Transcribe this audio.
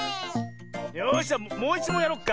よしじゃもういちもんやろっか！